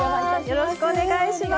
よろしくお願いします。